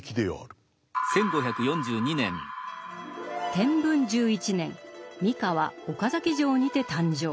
天文１１年三河・岡崎城にて誕生。